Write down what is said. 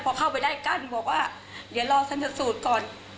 พอเข้าไปได้กั้นบอกว่าเดี๋ยวรอชันสูตรก่อน